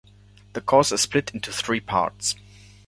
The course is split into three parts.